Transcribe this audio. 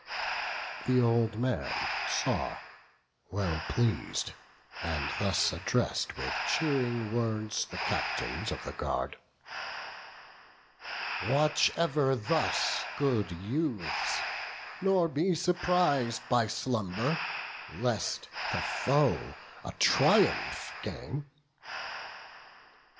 The old man saw, well pleas'd; and thus address'd With cheering words the captains of the guard: "Watch ever thus, good youths; nor be surpris'd By slumber, lest the foe a triumph gain."